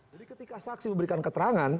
jadi ketika saksi memberikan keterangan